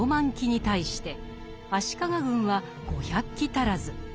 騎に対して足利軍は５００騎足らず。